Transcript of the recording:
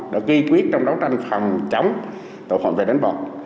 đã ghi quyết trong đấu tranh phòng chống tội phạm về đánh bọn